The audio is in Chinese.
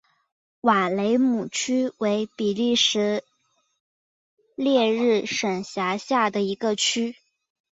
瓦雷姆区为比利时列日省辖下的一个区。